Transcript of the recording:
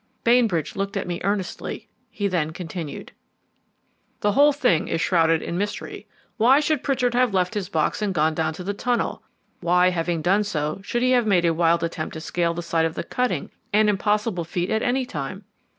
Bainbridge looked at me earnestly; he then continued: "The whole thing is shrouded in mystery. Why should Pritchard have left his box and gone down to the tunnel? Why, having done so, should he have made a wild attempt to scale the side of the cutting, an impossible feat at any time?